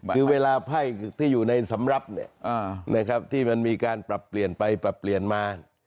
คือเวลาไพ่ที่อยู่ในสำรับที่มันมีการปรับเปลี่ยนไปปรับเปลี่ยนมา